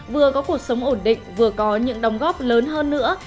vừa có cuộc sống ổn định vừa có những đóng góp lớn hơn nữa